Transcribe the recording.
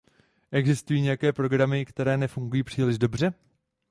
Existují nějaké programy, které nefungují příliš dobře?